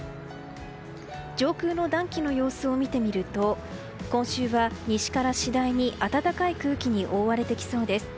上空の暖気の様子を見てみると今週は西から次第に暖かい空気に覆われてきそうです。